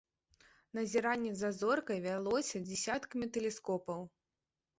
Назіранне за зоркай вялося дзясяткамі тэлескопаў.